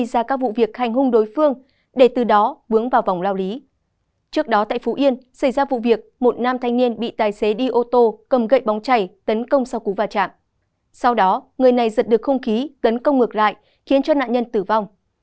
sau đó người này giật được không khí tấn công ngược lại khiến cho nạn nhân tử vong